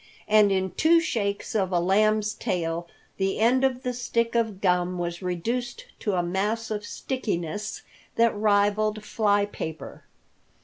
And in two shakes of a lamb's tail the end of the stick of gum was reduced to a mass of stickiness that rivaled fly paper.